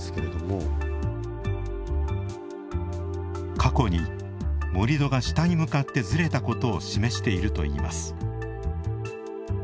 過去に盛土が下に向かってずれたことを示しているといいます。